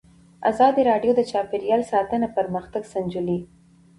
ازادي راډیو د چاپیریال ساتنه پرمختګ سنجولی.